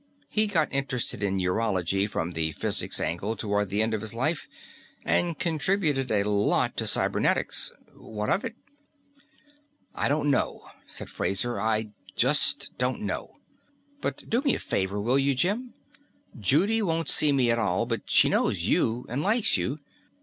He got interested in neurology from the physics angle toward the end of his life, and contributed a lot to cybernetics. What of it?" "I don't know," said Fraser; "I just don't know. But do me a favor, will you, Jim? Judy won't see me at all, but she knows you and likes you.